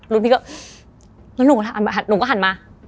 พี่ก็แล้วหนูก็หันมา